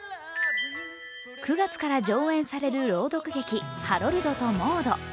９月から上演される朗読劇「ハロルドとモード」。